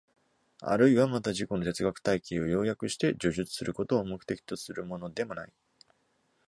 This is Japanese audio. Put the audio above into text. あるいはまた自己の哲学体系を要約して叙述することを目的とするものでもない。